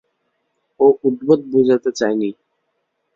ও উদ্ভট বুঝাতে চায়নি।